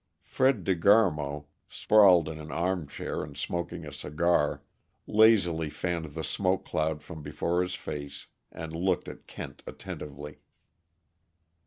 Fred De Garmo, sprawled in an armchair and smoking a cigar, lazily fanned the smoke cloud from before his face and looked at Kent attentively.